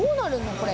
これ。